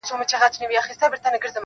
خپل یې د ټولو که ځوان که زوړ دی-